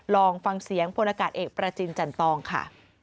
ลองฟังเสียงพลอากาศเอกประจินจันตองค่ะ